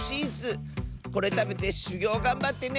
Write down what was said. これたべてしゅぎょうがんばってねって！